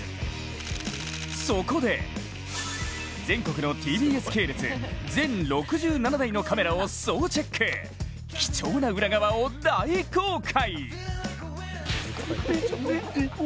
そこで、全国のＴＢＳ系列全６７台のカメラを総チェック、貴重な裏側を大公開。